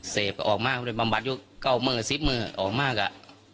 เสพก็ออกมาเลยบำบัดอยู่๙เม่อซิบมือออกมากะ